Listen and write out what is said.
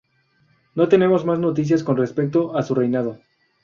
No tenemos más noticias con respecto a su reinado.